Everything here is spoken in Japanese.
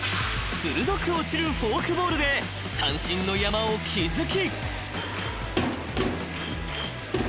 ［鋭く落ちるフォークボールで三振の山を築き］